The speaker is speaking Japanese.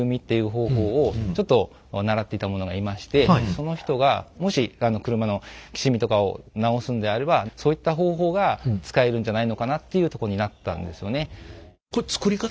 その人がもし車のきしみとかを直すのであればそういった方法が使えるんじゃないのかな？っていうとこになったんですよね。